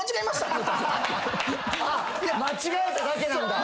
間違えただけなんだ！